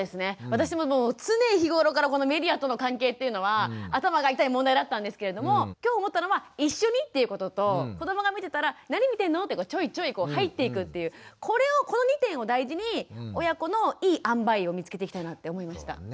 私も常日頃からこのメディアとの関係っていうのは頭が痛い問題だったんですけれども今日思ったのは一緒にっていうことと子どもが見てたら「何見てるの？」ってちょいちょい入っていくっていうこの２点を大事に親子のいいあんばいを見つけていきたいなって思いました。